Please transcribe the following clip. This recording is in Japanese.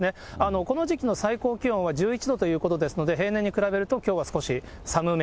この時期の最高気温は１１度ということですので、平年に比べるときょうは少し寒め。